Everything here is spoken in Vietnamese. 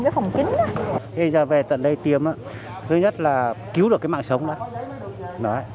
thì giờ về tận đây tiêm thứ nhất là cứu được cái mạng sống đó